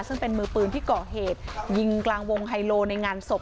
ซึ่งเป็นมือปืนที่ก่อเหตุยิงกลางวงไฮโลในงานศพ